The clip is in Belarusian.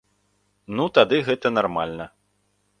Ну тады гэта нармальна.